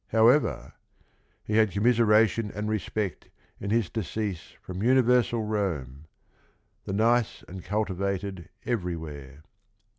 However, "He had commiseration and respect In his decease from universal Rome, The nice and cultivated everywhere."